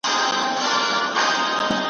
نن به د جنون زولنې ماتي کړو لیلا به سو ,